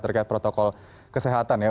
terkait protokol kesehatan ya